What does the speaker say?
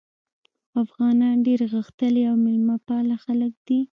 افغانان ډېر غښتلي او میلمه پاله خلک دي.